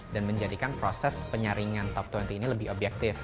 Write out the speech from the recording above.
dan menjadikan proses penyaringan top dua puluh ini lebih objektif